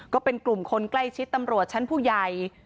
ก็เป็นกลุ่มคนใกล้ชิดตำรวจชั้นผู้ใหญ่